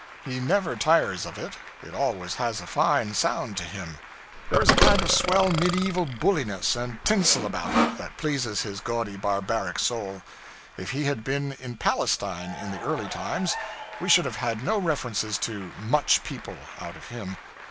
He never tires of it; it always has a fine sound to him. There is a kind of swell medieval bulliness and tinsel about it that pleases his gaudy barbaric soul. If he had been in Palestine in the early times, we should have had no references to 'much people' out of him.